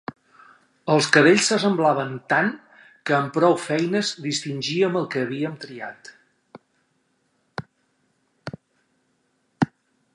Els cadells s'assemblaven tant que amb prou feines distingíem el que havíem triat.